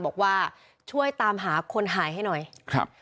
บอกว่าช่วยตามหาคนหายให้หน่อยครับ